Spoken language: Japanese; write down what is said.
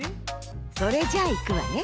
それじゃいくわね。